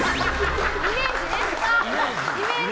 イメージね。